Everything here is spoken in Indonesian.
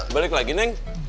balik lagi neng